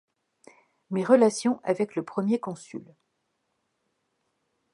Mes relations avec le Premier Consul.